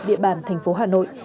địa bàn thành phố hà nội